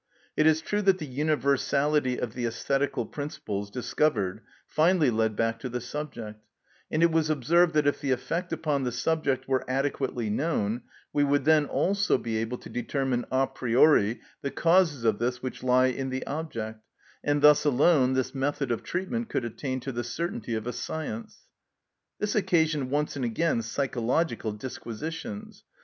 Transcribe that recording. It is true that the universality of the æsthetical principles discovered finally led back to the subject, and it was observed that if the effect upon the subject were adequately known we would then also be able to determine a priori the causes of this which lie in the object, and thus alone this method of treatment could attain to the certainty of a science. This occasioned once and again psychological disquisitions.